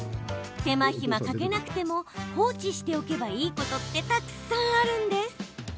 手間暇かけなくても放置しておけばいいことってたくさんあるんです。